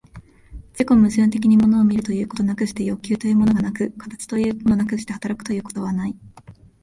自己矛盾的に物を見るということなくして欲求というものがなく、形というものなくして働くということはない。